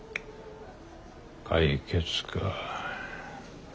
解決か。